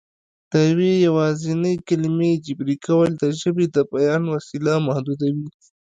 د یوې یوازینۍ کلمې جبري کول د ژبې د بیان وسیلې محدودوي